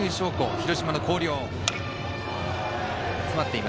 広島の広陵。